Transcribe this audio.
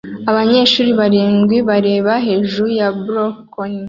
Abanyeshuri barindwi bareba hejuru ya bkoni